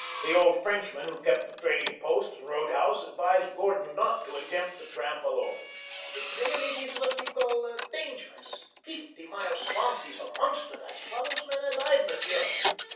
The old Frenchman who kept the trading post and roadhouse advised Gordon not to attempt the tramp alone. "The trail it ees what you call dangerous. Feefty Mile Swamp ees a monster that swallows men alive, Monsieur.